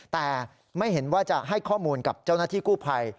แต่ไม่เห็นว่าจะให้ข้อมูลกับเจ้าหน้าที่กู้ภัย